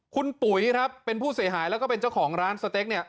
คุณปุ๋ยครับเป็นผู้เสียหายแล้วก็เป็นเจ้าของร้านสเต็กเนี่ย